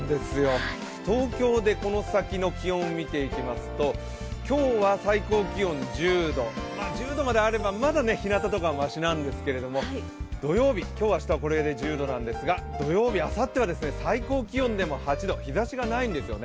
東京でこの先の気温を見ていきますと今日は最高気温１０度、まあ１０度まであればまだひなたとかはマシなんですけど今日、明日は１０度なんですが土曜日、あさっては最高気温でも８度、日ざしがないんですよね。